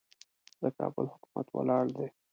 د کابل حکومت ولاړ دی.